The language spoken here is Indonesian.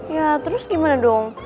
ya terus gimana dong